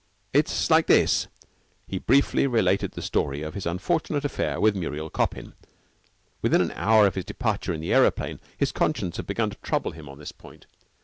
It's like this." He briefly related the story of his unfortunate affair with Muriel Coppin. Within an hour of his departure in the aeroplane, his conscience had begun to trouble him on this point.